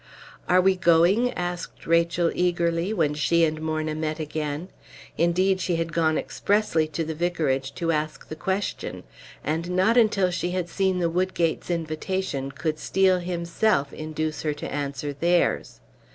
"Are you going?" asked Rachel, eagerly, when she and Morna met again; indeed, she had gone expressly to the Vicarage to ask the question; and not until she had seen the Woodgates' invitation could Steel himself induce her to answer theirs.